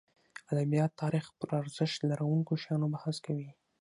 ادبیات تاریخ پرارزښت لرونکو شیانو بحث کوي.